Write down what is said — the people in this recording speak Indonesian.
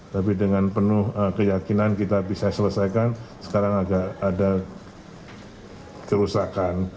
tapi dengan penuh keyakinan kita bisa selesaikan sekarang agak ada kerusakan